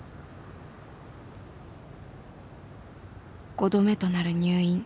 ５度目となる入院。